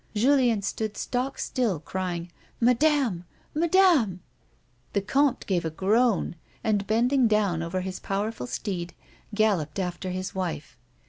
Julien stood stock still crying "Madame! Madame!" The comte gave a groan, and, bending down over his power ful steed, galloped after his wife.